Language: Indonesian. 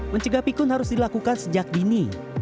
mencegah pikun harus dilakukan sejak dini